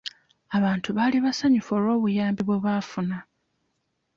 Abantu baali basanyufu olw'obuyambi bwe baafuna.